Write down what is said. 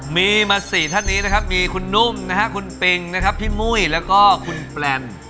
มีมา๔ท่านนี้นะครับมีคุณนุ่มนะฮะคุณปิงนะครับพี่มุ้ยแล้วก็คุณแปลน